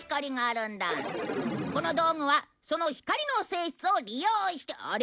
この道具はその光の性質を利用してあれ？